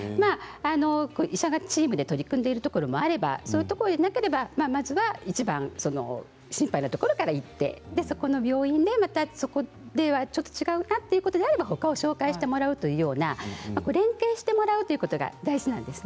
医者がチームで取り組んでいるところもあればそういうところなければまずはいちばん心配なところから行ってそこの病院でそこでは違うなということであれば他を紹介してもらうというような連携してもらうということが大事なんです。